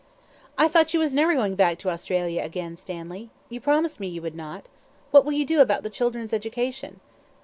"I thought you was never going back to Australia again, Stanley. You promised me you would not. What will you do about the children's education?"